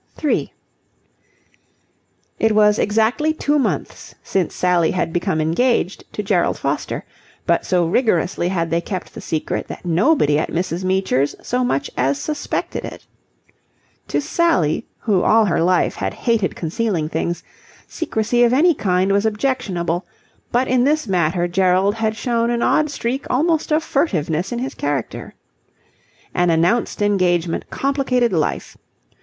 3 It was exactly two months since Sally had become engaged to Gerald Foster; but so rigorously had they kept the secret that nobody at Mrs. Meecher's so much as suspected it. To Sally, who all her life had hated concealing things, secrecy of any kind was objectionable: but in this matter Gerald had shown an odd streak almost of furtiveness in his character. An announced engagement complicated life.